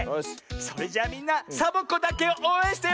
それじゃみんなサボ子だけをおうえんしてよ！